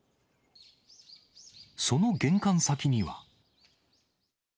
その玄関先には。